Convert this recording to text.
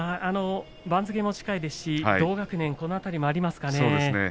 番付も近いですし同学年この辺りがありますかね。